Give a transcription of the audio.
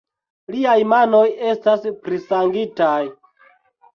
Liaj manoj estas prisangitaj.